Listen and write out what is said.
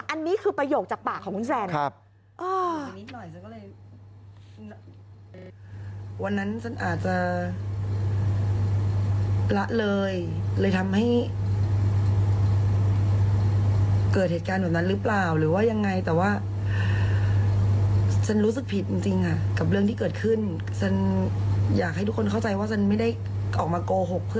อันนี้คือประโยคจากปากของคุณแซนนะครับอ้อ